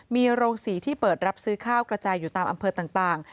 มีโรงศรีที่เปิดรับซื้อข้าวกระจายอยู่ตามอำเภอต่าง